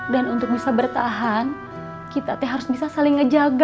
dan untuk bisa bertahan kita harus bisa saling ngejaga